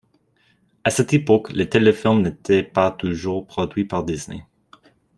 À cette époque, les téléfilms n'étaient pas toujours produits par Disney.